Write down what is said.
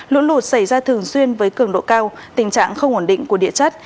lũ lụt xảy ra thường xuyên với cường độ cao tình trạng không ổn định của địa chất